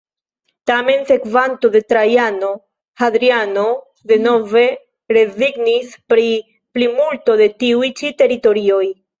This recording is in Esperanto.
Tamen sekvanto de Trajano, Hadriano, denove rezignis pri plimulto de tiuj ĉi teritorioj.